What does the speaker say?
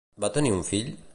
Va tenir un fill?